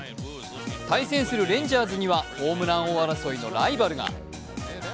対戦するレンジャーズには、ホームラン王争いのライバルが。